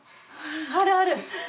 あるある！